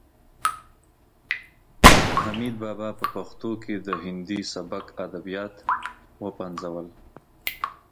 حمید بابا په پښتو کې د هندي سبک ادبیات وپنځول.